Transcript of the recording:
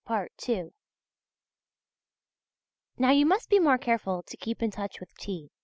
Now you must be more careful to keep in touch with T.